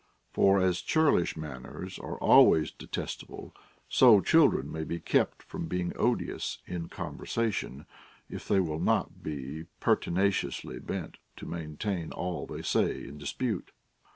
For as churlish manners are always detestable, so children may be kept from being odious in conversation, if they will not be l)ertinaciously bent to maintain all they say in dispute.